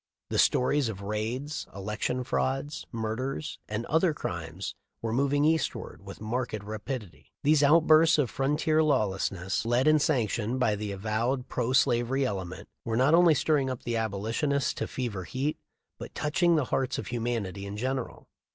The stories of raids, election frauds, murders, and other crimes were moving eastward with marked ra pidity. These outbursts of frontier lawlessness, led and sanctioned by the avowed pro slavery element, were not only stirring up the Abolitionists to fever heat, but touching the hearts of humanity in general.